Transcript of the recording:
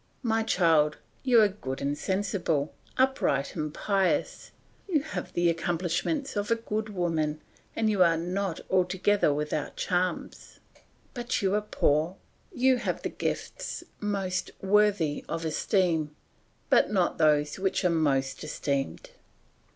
My child, you are good and sensible, upright and pious, you have the accomplishments of a good woman and you are not altogether without charms; but you are poor; you have the gifts most worthy of esteem, but not those which are most esteemed.